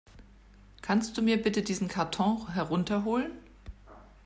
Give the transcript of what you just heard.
Kannst du mir bitte diesen Karton herunter holen?